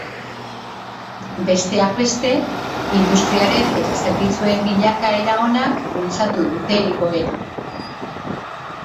Besteak beste, industriaren eta zerbitzuen bilakaera onak bultzatu dute igoera.